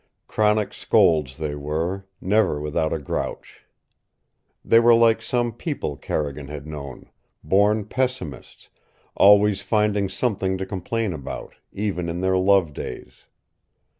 Chronic scolds they were, never without a grouch. They were like some people Carrigan had known, born pessimists, always finding something to complain about, even in their love days.